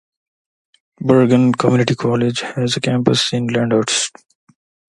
Bergen Community College has a campus in Lyndhurst.